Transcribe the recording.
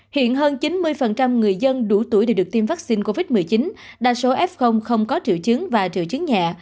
hiện hơn chín mươi người dân đủ tuổi để được tiêm vaccine covid một mươi chín đa số f không có triệu chứng và triệu chứng nhẹ